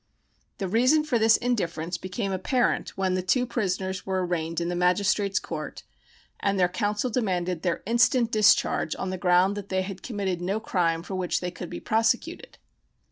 The reason for this indifference became apparent when the two prisoners were arraigned in the magistrate's court, and their counsel demanded their instant discharge on the ground that they had committed no crime for which they could be prosecuted.